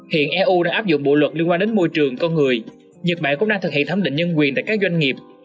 hiện eu đang áp dụng bộ luật liên quan đến môi trường con người nhật bản cũng đang thực hiện thẩm định nhân quyền tại các doanh nghiệp